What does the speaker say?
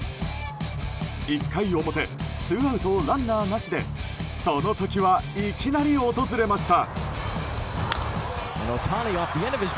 １回表ツーアウトランナーなしでその時はいきなり訪れました。